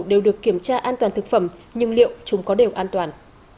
đều được kiểm tra an toàn thực phẩm nhưng liệu chúng có đều an toàn